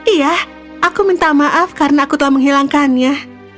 iya aku minta maaf karena aku telah menghilangkannya